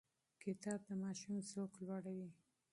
کتاب د ماشوم ذوق لوړوي.